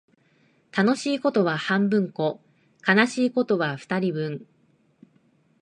楽しいことは半分こ、悲しいことは二人分